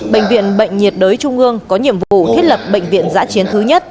bệnh viện bệnh nhiệt đới trung ương có nhiệm vụ thiết lập bệnh viện giã chiến thứ nhất